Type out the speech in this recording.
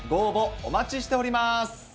お待ちしております。